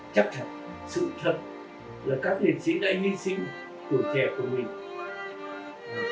chắc thật sự thật là các liệt sĩ đã hy sinh tuổi trẻ của mình